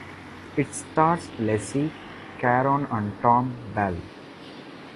It stars Leslie Caron and Tom Bell.